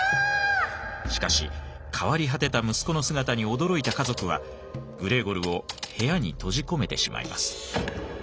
しかし変わり果てた息子の姿に驚いた家族はグレーゴルを部屋に閉じ込めてしまいます。